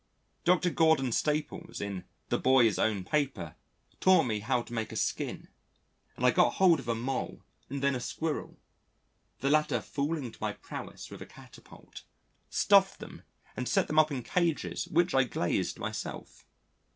Dr. Gordon Staples in the Boy's Own Paper, taught me how to make a skin, and I got hold of a Mole and then a Squirrel (the latter falling to my prowess with a catapult), stuffed them and set them up in cases which I glazed myself.